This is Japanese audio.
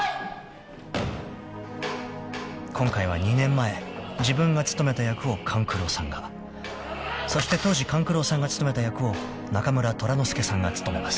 ［今回は２年前自分が務めた役を勘九郎さんがそして当時勘九郎さんが務めた役を中村虎之介さんが務めます］